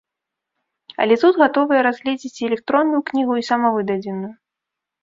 Але тут гатовыя разгледзіць і электронную кнігу, і самавыдадзеную.